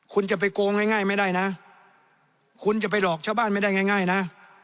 คุณจะไปโกงง่ายไม่ได้นะคุณจะไปหลอกชาวบ้านไม่ได้ง่ายนะ